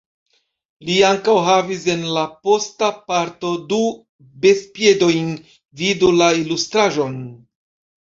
Li ankaŭ havis en la posta parto du bestpiedojn vidu la ilustraĵon.